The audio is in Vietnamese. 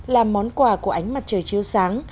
làm món quà của ánh mặt trời chiếu sáng